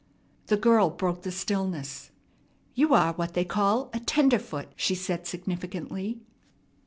The girl broke the stillness. "You are what they call a 'tenderfoot,'" she said significantly.